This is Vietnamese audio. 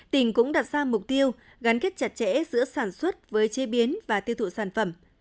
tỉnh cũng đặt ra mục tiêu gắn kết chặt chẽ giữa sản xuất với chế biến và tiêu thụ sản phẩm